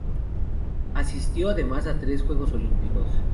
Asistió además a tres Juegos Olímpicos.